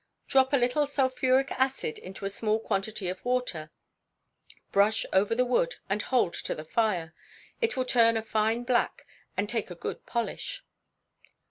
Drop a little sulphuric acid into a small quantity of water, brush over the wood and hold to the fire; it will turn a fine black, and take a good polish.